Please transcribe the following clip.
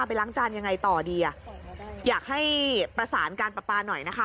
ไปล้างจานยังไงต่อดีอ่ะอยากให้ประสานการประปาหน่อยนะคะ